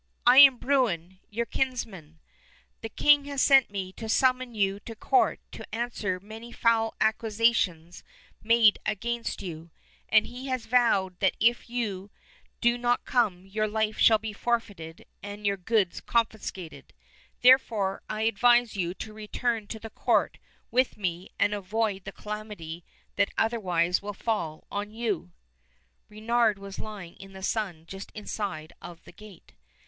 ^ I am Bruin, your kinsman. The king has sent me to summon you to court to answer many foul accusations made against you, and he has vowed that if you do not come your life shall be forfeited and your 152 Fairy Tale Bears goods confiscated. Therefore, I advise you to return to the court with me and avoid the calamity that otherwise will fall on you." Reynard was lying in the sun just inside of the gate.